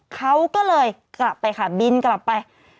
เขาก็เลยกลับไปค่ะบินกลับไป